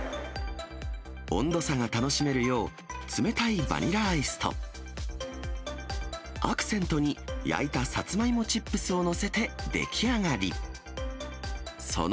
温度差が楽しめるよう、冷たいバニラアイスと、アクセントに焼いたサツマイモチップスを載せて出来上がり。